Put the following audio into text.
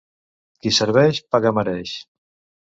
Qui serveix, paga mereix.